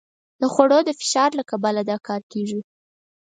د خوړو د فشار له کبله دا کار کېږي.